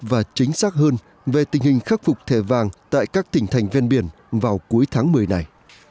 và chính xác hơn về tình hình khắc phục thẻ vàng tại các tỉnh thành ven biển vào cuối tháng một mươi này